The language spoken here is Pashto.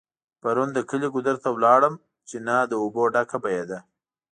پرون د کلي ګودر ته لاړم .چينه له اوبو ډکه بهيده